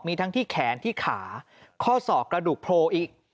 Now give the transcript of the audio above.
มีทั้งที่แขนที่ขาข้อศอกกระดูกโพลอีก